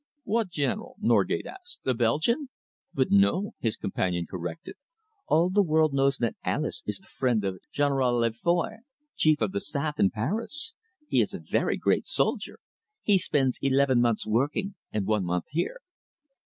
"What General?" Norgate asked. "A Belgian?" "But no," his companion corrected. "All the world knows that Alice is the friend of General le Foys, chief of the staff in Paris. He is a very great soldier. He spends eleven months working and one month here."